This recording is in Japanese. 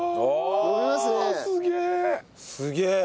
すげえ！